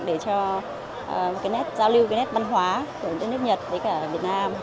để cho cái nét giao lưu cái nét văn hóa của đất nước nhật với cả việt nam